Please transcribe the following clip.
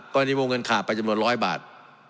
ก็ยังมีมุมเงินขาดไปจนหมดร้อยบาท